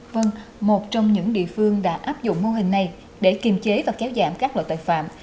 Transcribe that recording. vâng một trong những địa phương đã áp dụng mô hình này để kiềm chế và kéo giảm các loại tội phạm